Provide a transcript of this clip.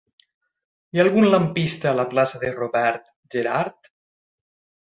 Hi ha algun lampista a la plaça de Robert Gerhard?